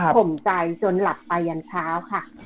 ผมใจจนหลับไปยันเช้าค่ะ